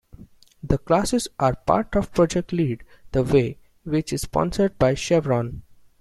The classes are part of Project Lead the Way, which is sponsored by Chevron.